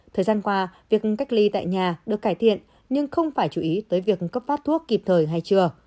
thời gian qua việc cách ly tại nhà được cải thiện nhưng không phải chú ý tới việc cấp phát thuốc kịp thời hay chưa